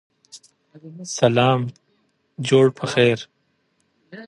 تاسو په درد مه كوئ_